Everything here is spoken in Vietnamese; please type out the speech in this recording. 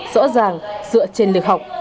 rõ ràng dựa trên lực học